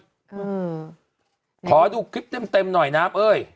อืมขอดูคลิปเต็มหน่อยน้ำเอ้ย